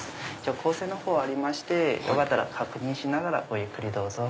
構成のほうありまして確認しながらごゆっくりどうぞ。